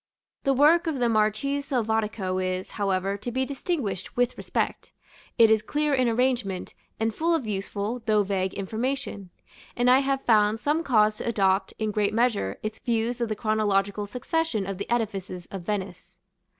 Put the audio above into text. The work of the Marchese Selvatico is, however, to be distinguished with respect; it is clear in arrangement, and full of useful, though vague, information; and I have found cause to adopt, in great measure, its views of the chronological succession of the edifices of Venice.